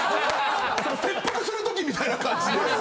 切腹するときみたいな感じで。